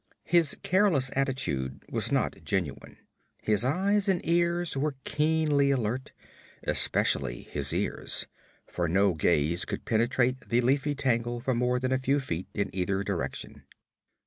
His careless attitude was not genuine; his eyes and ears were keenly alert, especially his ears, for no gaze could penetrate the leafy tangle for more than a few feet in either direction.